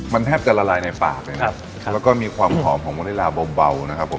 มันแทบจะละลายในปากเลยนะครับแล้วก็มีความหอมของมะลิลาเบานะครับผม